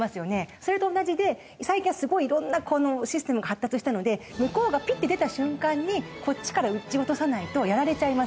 それと同じで最近はすごいいろんなこのシステムが発達したので向こうがピッて出た瞬間にこっちから撃ち落とさないとやられちゃいますと。